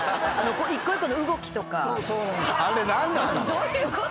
１個１個の動きとか。